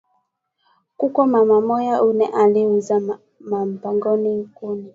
Kuko mama moya ule ari uza ma mpango kumi